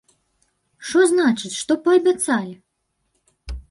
Што значыць, што паабяцалі?